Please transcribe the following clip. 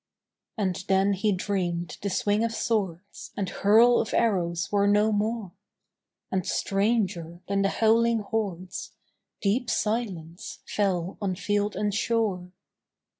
And then he dreamed the swing of swords And hurl of arrows were no more; And stranger than the howling hordes Deep silence fell on field and shore.